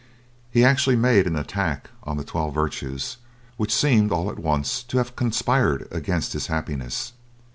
He actually made an attack on the twelve virtues, which seemed all at once to have conspired against his happiness.